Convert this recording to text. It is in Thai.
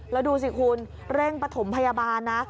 แล้วดูสิคุณเร่งปฐมพยาบาลนะ